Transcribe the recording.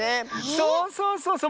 そうそうそうそう。